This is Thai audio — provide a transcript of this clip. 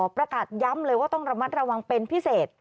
ประกาศย้ำเลยว่าต้องระมัดระวังเป็นพิเศษ